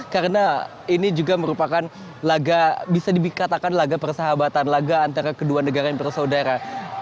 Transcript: karena ini juga merupakan laga bisa dikatakan laga persahabatan laga antara kedua negara yang bersaudara